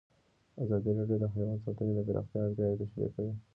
ازادي راډیو د حیوان ساتنه د پراختیا اړتیاوې تشریح کړي.